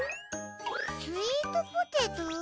スイートポテト。